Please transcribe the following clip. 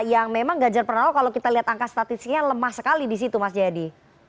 yang memang ganjar pranowo kalau kita lihat angka statistiknya lemah sekali di situ mas jayadi